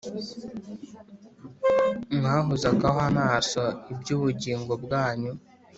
Mwahozagaho amaso ibyo ubugingo bwanyu